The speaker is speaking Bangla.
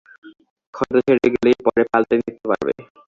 ক্ষত সেরে গেলেই পরে পাল্টে নিতে পারবে।